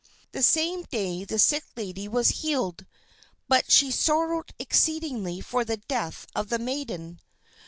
The same day the sick lady was healed, but she sorrowed exceedingly for the death of the maiden.